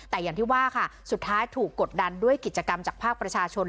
แต่อย่างที่ว่าค่ะสุดท้ายถูกกดดันด้วยกิจกรรมจากภาคประชาชน